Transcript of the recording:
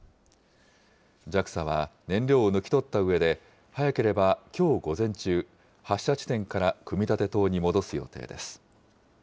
ＪＡＸＡは燃料を抜き取ったうえで、早ければきょう午前中、発射地点から組み立て棟に戻す予定です。